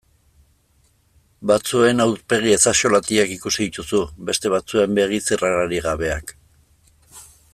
Batzuen aurpegi ezaxolatiak ikusi dituzu, beste batzuen begi zirrararik gabeak.